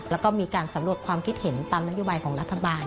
แล้วก็มีการสำรวจความคิดเห็นตามนโยบายของรัฐบาล